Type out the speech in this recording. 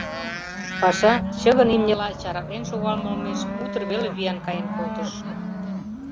Паша чыгын имньыла чараклен шогалме олмеш утыр веле виян каен колтыш.